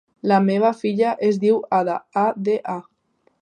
La meva filla es diu Ada: a, de, a.